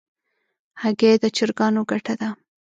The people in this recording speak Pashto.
هګۍ د چرګانو ګټه ده.